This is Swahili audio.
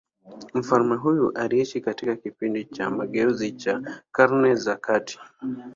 Mtakatifu huyo aliishi katika kipindi cha mageuzi cha Karne za kati.